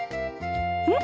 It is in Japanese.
うん？